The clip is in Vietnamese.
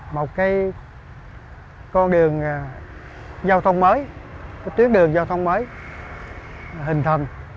một cái con đường giao thông mới cái tuyến đường giao thông mới hình thành